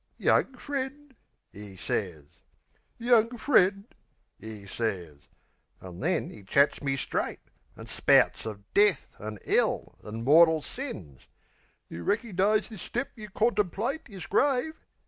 "Young friend," 'e sez. "Young friend," 'e sez. An' then 'e chats me straight; An' spouts of death, an' 'ell, an' mortal sins. "You reckernize this step you contemplate Is grave?